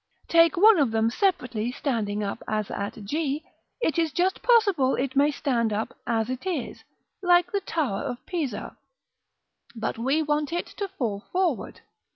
Take one of them separately, standing up as at g; it is just possible it may stand up as it is, like the Tower of Pisa: but we want it to fall forward.